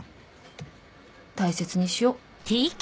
大切にしよう